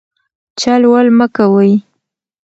چل ول مه کوئ.